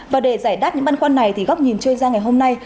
và để giải đáp những băn khoăn này thì góc nhìn chơi ra ngày hôm nay